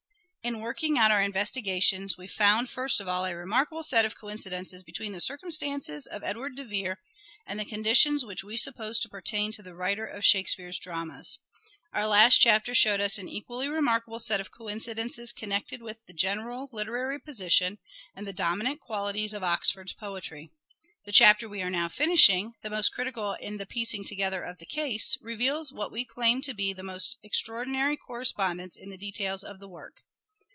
In working out our investigations we found, first of all, a remarkable set of coincidences between the 208 "SHAKESPEARE" IDENTIFIED General circumstances of Edward de Vere and the conditions which we supposed to pertain to the writer of Shake speare's dramas. Our last chapter showed us an equally remarkable set of coincidences connected with the general literary position and the dominant qualities of Oxford's poetry. The chapter we are now finishing, the most critical in the piecing together of the case, reveals what we claim to be a most extraordinary correspondence in the details of the work.